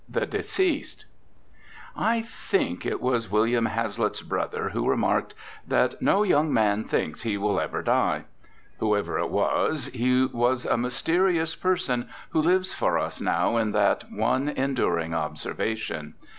XX THE DECEASED I think it was William Hazlitt's brother who remarked that "no young man thinks he will ever die." Whoever it was he was a mysterious person who lives for us now in that one enduring observation.